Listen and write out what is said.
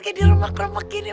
kayak di rumah rumah begini